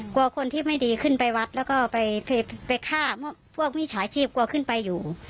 กลัวคนที่ไม่ดีขึ้นไปวัดแล้วก็ไปฆ่าพวกวิชาชีพกลัวขึ้นไปอยู่